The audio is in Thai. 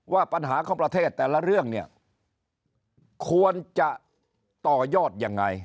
ว่าปัญหาของประเทศแต่ละเรื่องเนี่ยควรจะต่อยอดยังไง